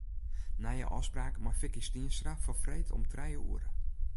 Nije ôfspraak mei Vicky Stienstra foar freed om trije oere.